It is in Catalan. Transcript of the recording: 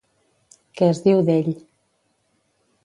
Què es diu d'ell?